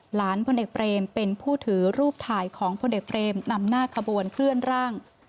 พลเอกเบรมเป็นผู้ถือรูปถ่ายของพลเอกเบรมนำหน้าขบวนเคลื่อนร่าง